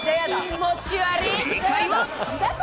正解は。